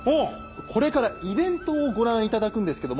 これからイベントをご覧頂くんですけども。